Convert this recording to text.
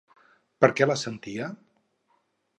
Per què la sentia?